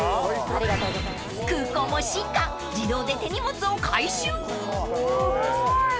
［空港も進化自動で手荷物を回収］